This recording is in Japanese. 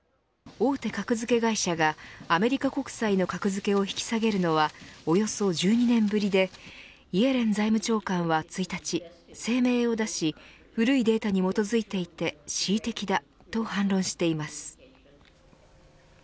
大手格付け会社がアメリカ国債の格付けを引き下げるのはおよそ１２年ぶりでイエレン財務長官は１日声明を出し古いデータに基づいていて恣意的だと反論しています。